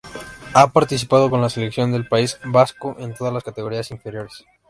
Ha participado con la Selección del País Vasco en todas las categorías inferiores.